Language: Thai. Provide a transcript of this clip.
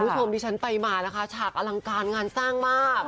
คุณผู้ชมที่ฉันไปมานะคะฉากอลังการงานสร้างมาก